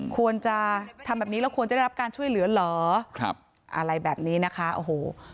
ควรจะทำแบบนี้แล้วควรจะได้รับการช่วยเหลือเหรอครับอะไรแบบนี้นะคะโอ้โห